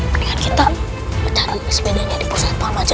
mendingan kita mencari spd nya di pusat pemaja